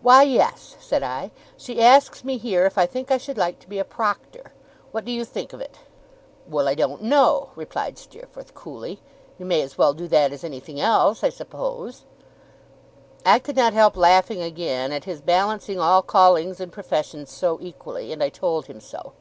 'Why, yes,' said I. 'She asks me, here, if I think I should like to be a proctor? What do you think of it?' 'Well, I don't know,' replied Steerforth, coolly. 'You may as well do that as anything else, I suppose?' I could not help laughing again, at his balancing all callings and professions so equally; and I told him so.